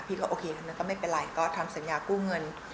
พี่ก็โอเคนะแล้วก็ไม่เป็นไรก็ทำสัญญาคู่เงิน